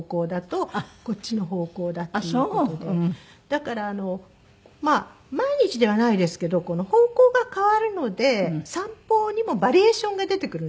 だからまあ毎日ではないですけどこの方向が変わるので散歩にもバリエーションが出てくるんですね。